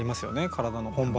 体の本番。